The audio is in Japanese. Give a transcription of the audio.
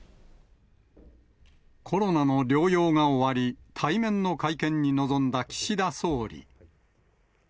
コロナの療養が終わり、対面の会見に臨んだ岸田総理。